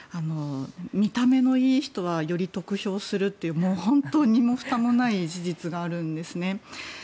見た目のいい人はより得票するっていう本当に、身もふたもない事実があるんですね。